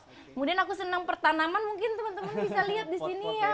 kemudian aku senang pertanaman mungkin teman teman bisa lihat di sini ya